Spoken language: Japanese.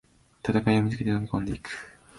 戦いを見つけて飛びこんでいく